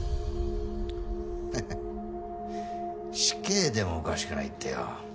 「死刑でもおかしくない」ってよ。